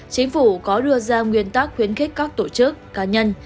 chính phủ có đưa ra nguyên tắc khuyến khích các tổ chức cá nhân